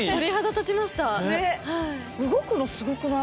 動くのすごくない？